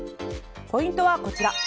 ポイントはこちら。